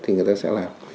thì người ta sẽ làm